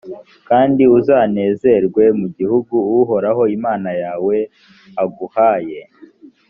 kandi uzanezerwe mu gihugu uhoraho imana yawe aguhaye.